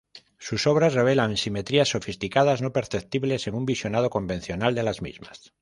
Sus obras revelan simetrías sofisticadas no perceptibles en un visionado convencional de las mismas.